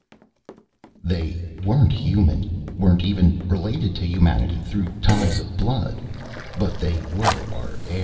They weren't human weren't even related to humanity through ties of blood but they were our heirs!